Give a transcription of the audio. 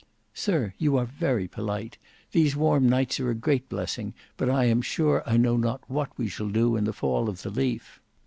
"Sir, you are very polite. These warm nights are a great blessing, but I am sure I know not what we shall do in the fall of the leaf."